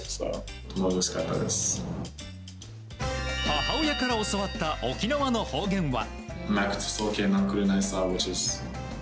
母親から教わった沖縄の方言は。